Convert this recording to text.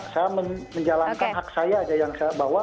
saya menjalankan hak saya saja yang saya bawa